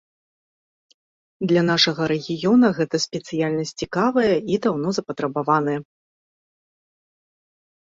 Для нашага рэгіёна гэта спецыяльнасць цікавая і даўно запатрабаваная.